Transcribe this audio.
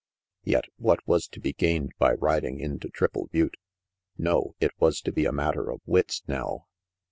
Yet what was to be gained by riding into Triple Butte? No, it was to be a natter of wits now.